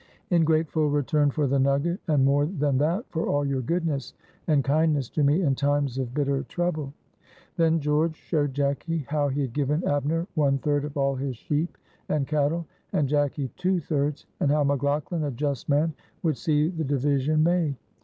In grateful return for the nugget, and more than that for all your goodness and kindness to me in times of bitter trouble." Then George showed Jacky how he had given Abner one third of all his sheep and cattle, and Jacky two thirds, and how McLaughlan, a just man, would see the division made.